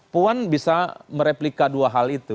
puan bisa mereplika dua hal itu